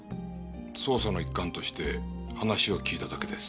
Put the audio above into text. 捜査の一環として話を聞いただけです。